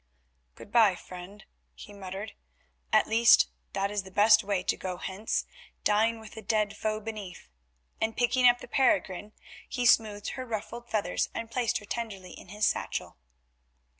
"Goodbye, friend," he muttered; "at least that is the best way to go hence, dying with a dead foe beneath," and, picking up the peregrine, he smoothed her ruffled feathers and placed her tenderly in his satchel.